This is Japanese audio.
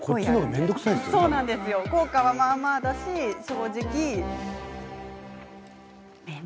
でも、効果はまあまあだし正直。